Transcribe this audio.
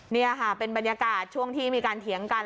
นี่ค่ะเป็นบรรยากาศช่วงที่มีการเถียงกัน